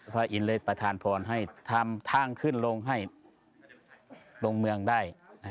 อินเลยประธานพรให้ทำทางขึ้นลงให้ลงเมืองได้